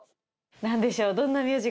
何でしょう？